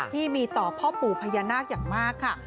ที่มีต่อพ่อปู่พญานาคอย่างมากค่ะ